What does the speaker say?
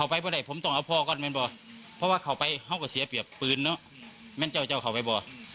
ผมต้องออกมาพูดเพราะว่าเข้าไปเข้าไปปืนเหมือนเจ้าไปบ่